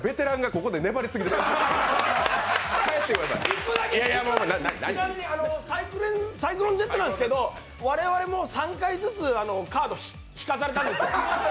１個だけ、ちなみにサイクロンＺなんですけど、我々も３回ずつカード引かされたんですよ。